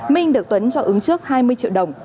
minh được tuấn cho ứng trước hai mươi triệu đồng